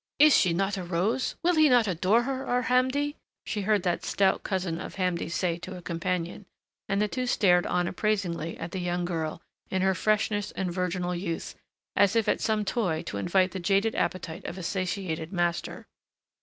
"Is she not a rose will he not adore her, our Hamdi?" she heard that stout cousin of Hamdi's say to a companion, and the two stared on appraisingly at the young girl, in her freshness and virginal youth, as if at some toy to invite the jaded appetite of a satiated master.